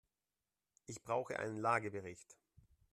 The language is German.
Ich brauche einen Lagebericht.